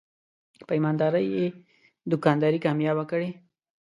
په ایماندارۍ یې دوکانداري کامیابه کړې.